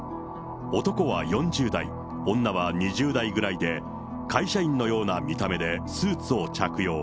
男は４０代、女は２０代ぐらいで、会社員のような見た目でスーツを着用。